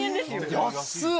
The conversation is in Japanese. ・安っ。